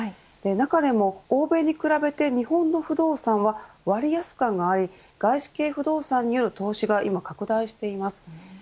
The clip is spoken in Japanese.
中でも欧米に比べて日本の不動産は割安感があり外資系不動産による投資が拡大しています。